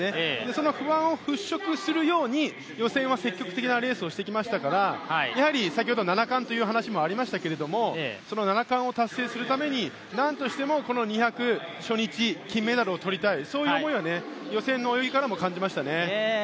その不安を払拭するように予選は積極的なレースをしてきましたから、やはり先ほど、７冠という話もありましたがその７冠を達成するために何としてもこの２００、初日、金メダルを取りたい、そういう思いは予選の泳ぎからも感じましたね。